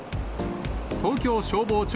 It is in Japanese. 東京消防庁